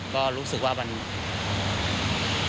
ก็รู้สึกว่ามัน